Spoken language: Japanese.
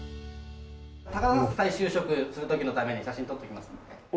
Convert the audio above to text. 高田さん再就職する時のために写真撮っておきますので。